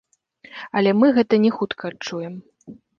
Але мы гэта не хутка адчуем.